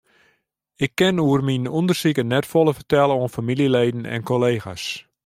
Ik kin oer myn ûndersiken net folle fertelle oan famyljeleden en kollega's.